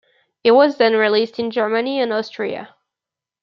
It was then released in Germany and Austria.